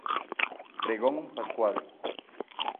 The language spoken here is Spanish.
Pregón pascual.